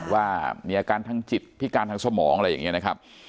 ว่ามีอาการทางจิตพิการทางสมองอะไรอย่างนี้นะครับ